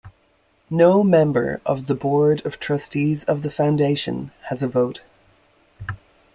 No member of the board of trustees of the foundation has a vote.